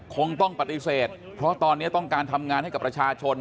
คงต้องปฏิเสธเพราะตอนนี้ต้องการทำงานให้กับประชาชน